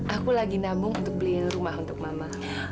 aku lagi nabung untuk beli rumah untuk mama